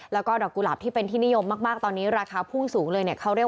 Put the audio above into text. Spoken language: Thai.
แล้วก็ดอกกุหลาบที่เป็นที่นิยมมากตอนนี้ราคาพุ่งสูงเลยเนี่ยเขาเรียก